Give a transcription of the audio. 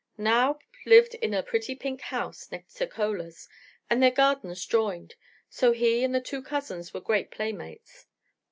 Nao lived in a pretty pink house next to Chola's, and their gardens joined; so he and the two cousins were great playmates.